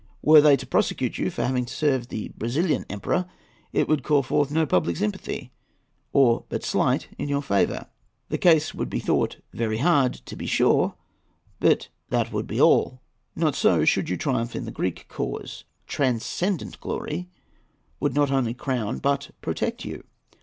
Were they to prosecute you for having served the Brazilian Emperor, it would call forth no public sympathy, or but slight, in your favour. The case would be thought very hard, to be sure; but that would be all. Not so, should you triumph in the Greek cause. Transcendent glory would not only crown but protect you.